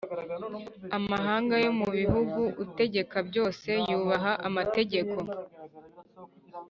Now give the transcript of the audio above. Amahanga yo mu bihugu utegeka byose yubaha amategeko